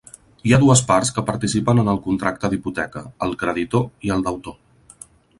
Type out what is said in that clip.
Hi ha dues parts que participen en el contracte d'hipoteca: el creditor i el deutor.